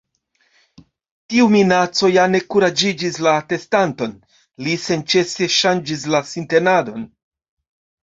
Tiu minaco ja ne kuraĝigis la atestanton. Li senĉese ŝanĝis la sintenadon.